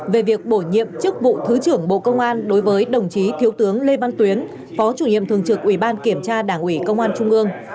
về việc bổ nhiệm chức vụ thứ trưởng bộ công an đối với đồng chí thiếu tướng lê văn tuyến phó chủ nhiệm thường trực ủy ban kiểm tra đảng ủy công an trung ương